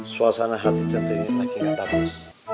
suasana hati sentini lagi gak dapet